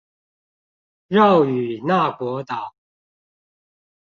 繞與那國島